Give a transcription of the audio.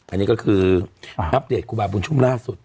อันนี้ก็คืออัปเดตครูบาบุญชุ่มล่าสุด